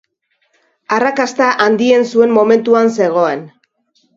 Arrakasta handien zuen momentuan zegoen.